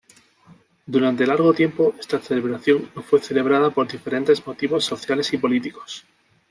Durante largo tiempo esta celebración no fue celebrada por diferentes motivos sociales y políticos.